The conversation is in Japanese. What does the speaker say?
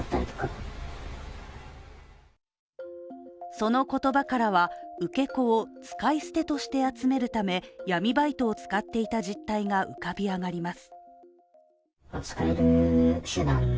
その言葉からは、受け子を使い捨てとして集めるため闇バイトを使っていた実態が浮かび上がります